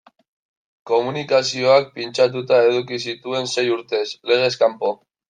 Komunikazioak pintxatuta eduki zituen sei urtez, legez kanpo.